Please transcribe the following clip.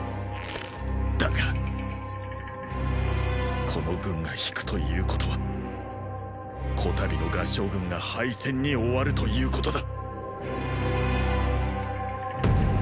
だがこの軍が退くということは此度の合従軍が敗戦に終わるということだ！